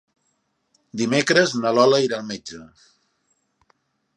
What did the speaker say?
Dimecres na Lola irà al metge.